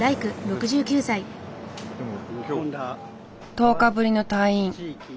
１０日ぶりの退院。